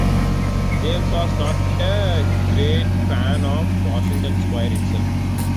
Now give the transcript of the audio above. James was not a great fan of "Washington Square" itself.